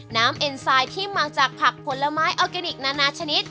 เอ็นไซด์ที่มาจากผักผลไม้ออร์แกนิคนานานาชนิด